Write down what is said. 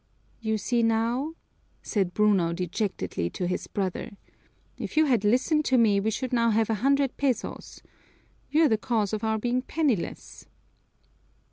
"You see now!" said Bruno dejectedly to his brother, "if you had listened to me we should now have a hundred pesos. You're the cause of our being penniless."